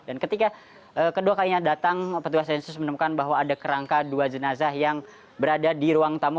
dan ketika kedua kalinya datang petugas sensus menemukan bahwa ada kerangka dua jenazah yang berada di ruang tamu